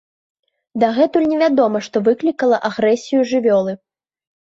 Дагэтуль невядома, што выклікала агрэсію жывёлы.